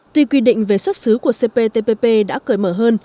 tuy quy định về xuất xứ của cptpp đã cởi mở hơn